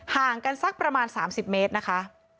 ห่างกันสักประมาณ๓๐เมตรนะคะ